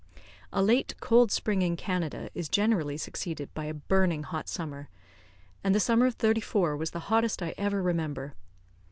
A late, cold spring in Canada is generally succeeded by a burning hot summer; and the summer of '34 was the hottest I ever remember.